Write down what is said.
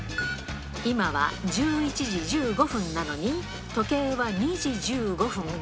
今は１１時１５分なのに、時計は２時１５分。